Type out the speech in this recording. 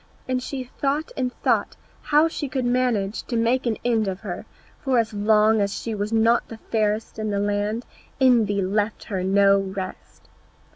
And she thought and thought how she could manage to make an end of her, for as long as she was not the fairest in the land, envy left her no rest.